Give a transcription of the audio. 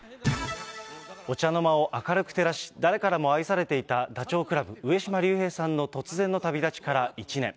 お茶の間を明るく照らし、誰からも愛されていたダチョウ倶楽部・上島竜兵さんの突然の旅立ちから１年。